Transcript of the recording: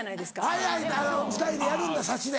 はいはい２人でやるんだサシで。